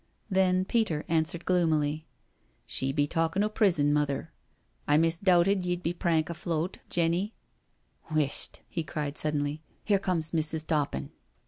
Then Peter answered gloomily: "She be talkin' o' prbon. Mother. I misdoubted ye*d some prank afloat^ JENNY'S CALL 59 Jenny. Whisht I*' he cried suddenly, "here comes Mrs. Toppin."'